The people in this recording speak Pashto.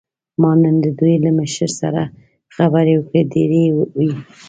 ما نن د دوی له مشر سره خبرې وکړې، ډېرې یې وې.